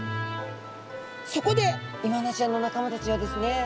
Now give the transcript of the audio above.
そこでイワナちゃんの仲間たちはですね